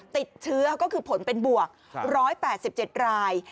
ติดเชื้อก็คือผลเป็นบวก๑๘๗ราย